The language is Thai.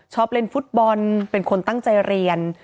ชอบเล่นฟุตบอลเป็นคนตั้งใจเรียน